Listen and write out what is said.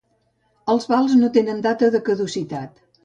Els vals no tenen data de caducitat